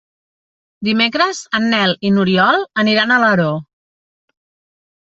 Dimecres en Nel i n'Oriol aniran a Alaró.